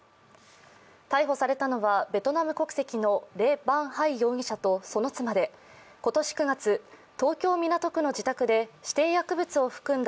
逮捕されたのはベトナム国籍のレ・ヴァン・ハイ容疑者とその妻で今年９月、東京・港区の自宅で指定薬物を含んだ